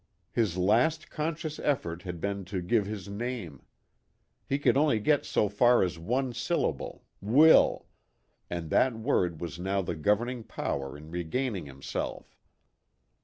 His last conscious effort had been to give his name. He could only get so far as one syllable, " Will," and that word was now the governing power in regaining himself.